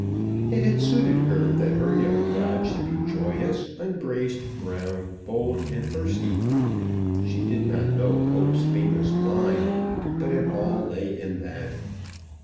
It had suited her that her young god should be joyous, unbraced, brown, bold, and thirsty. She did not know Pope's famous line, but it all lay in that.